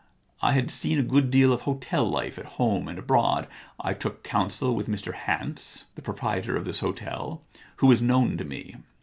I had seen a good deal of hotel life at home and abroad. I took counsel with Mr Hance, the proprietor of this hotel, who was known to me.